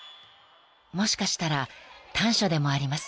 ［もしかしたら短所でもあります］